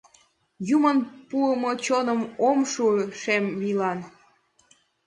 Юмын пуымо чоным ом шу шем вийлан.